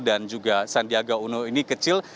dan juga sandiaga uno ini kecil